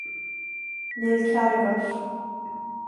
Níl cead agat.